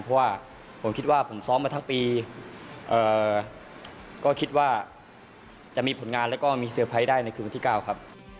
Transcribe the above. เพราะว่าผมซ้อมมาทั้งปีก็คิดว่าจะมีผลงานและมีเซอร์ไพรส์ได้ในคลุมที่๙ครับ